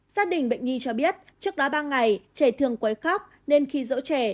gia đình bệnh nhi cho biết trước đó ba ngày trẻ thường quấy khóc nên khi dỡ trẻ